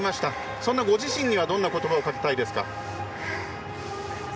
そんなご自身にはどんなことばをかけたいですか？